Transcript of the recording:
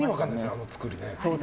あの造りね。